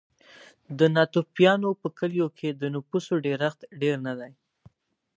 د ناتوفیانو په کلیو کې د نفوسو ډېرښت ډېر نه دی.